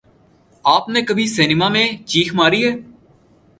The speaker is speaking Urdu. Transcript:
آپ نے کبھی سنیما میں چیخ ماری ہے